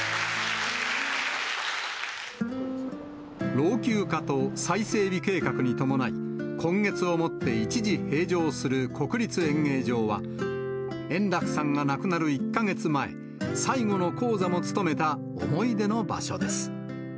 老朽化と再整備計画に伴い、今月をもって一時閉場する国立演芸場は、円楽さんが亡くなる１か月前、最後の高座も務めた思い出の場所です。